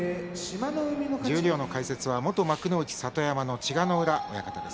十両の解説は元幕内里山の千賀ノ浦親方です。